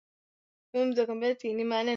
chanzo mto ruaha ni mito mingi midogo